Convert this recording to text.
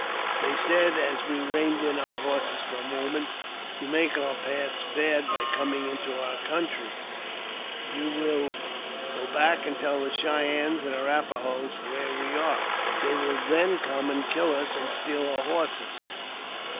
They said, as we reined in our horses for a moment, You make our paths bad by coming into our country ; you will go back and tell the Cheyennes and Arrap a hos where we are ; they will then come and kill us, and steal our horses.